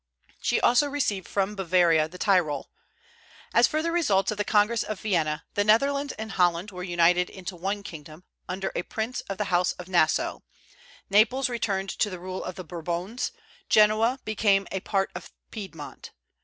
She also received from Bavaria the Tyrol. As further results of the Congress of Vienna, the Netherlands and Holland were united in one kingdom, under a prince of the house of Nassau; Naples returned to the rule of the Bourbons; Genoa became a part of Piedmont.